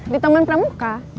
di taman pramuka